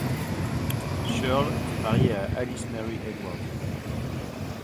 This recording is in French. Searle était marié à Alice Mary Edwards.